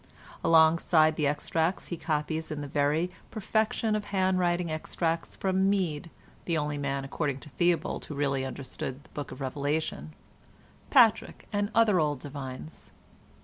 Alongside the extracts he copies in the very perfection of hand writing extracts from Mede (the only man, according to Theobald, who really understood the Book of Revelation), Patrick, and other old divines.